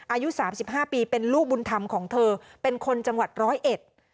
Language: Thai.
อายุสามสิบห้าปีเป็นลูกบุญธรรมของเธอเป็นคนจังหวัดร้อยเอ็ด